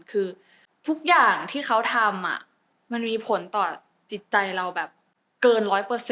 คือทุกอย่างที่เขาทำมันมีผลต่อจิตใจเราแบบเกิน๑๐๐